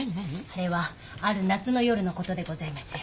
あれはある夏の夜のことでございます。